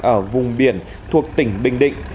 ở vùng biển thuộc tỉnh bình định